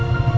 p m p p